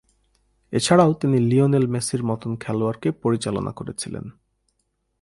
এছাড়াও তিনি লিওনেল মেসির মতন খেলোয়াড়কে পরিচালনা করেছিলেন।